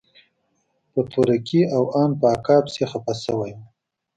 په تورکي او ان په اکا پسې خپه سوى وم.